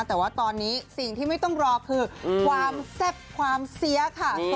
แต่ว่าตอนนี้สิ่งที่ไม่ต้องรอคือความแซ่บความเสียค่ะ